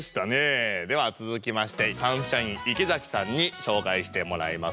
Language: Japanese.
ではつづきましてサンシャイン池崎さんにしょうかいしてもらいます。